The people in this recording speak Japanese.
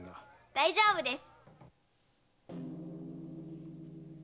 大丈夫です！